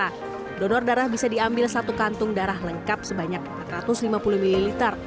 karena donor darah bisa diambil satu kantung darah lengkap sebanyak empat ratus lima puluh ml